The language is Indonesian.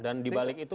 dan di balik itu